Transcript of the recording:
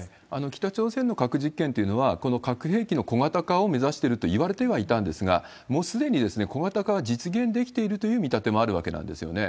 北朝鮮の核実験というのは、この核兵器の小型化を目指してるといわれてはいたんですが、もうすでに小型化は実現できているという見立てもあるわけなんですよね。